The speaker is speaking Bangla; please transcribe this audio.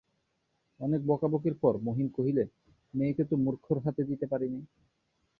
অনেক বকাবকির পর মহিম কহিলেন, মেয়েকে তো মূর্খর হাতে দিতে পারি নে।